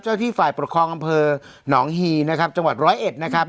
ที่ฝ่ายปกครองอำเภอหนองฮีนะครับจังหวัดร้อยเอ็ดนะครับ